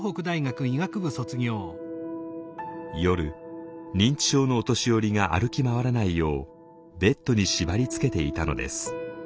夜認知症のお年寄りが歩き回らないようベッドに縛りつけていたのです。